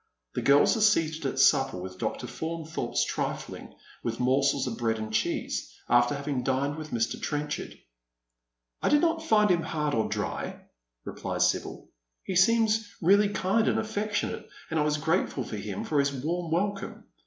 The girls are seated at supper with Dr. Faunthorpe trifling with morsels of bread and cheese, after having dined with Mr. Trenchard. " I did not find him hard or dry," replies Sibyl. " He seems really kind and affectionate, and I was gi ateful to him for his warm welcome.